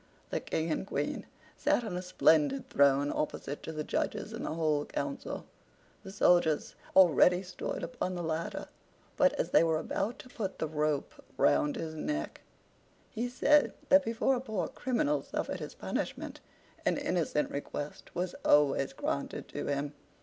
The King and Queen sat on a splendid throne, opposite to the judges and the whole council. The soldiers already stood upon the ladder; but as they were about to put the rope round his neck, he said that before a poor criminal suffered his punishment an innocent request was always granted to him.